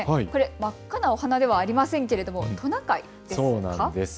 真っ赤なお鼻ではありませんけれども、トナカイですね。